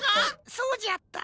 そうじゃった。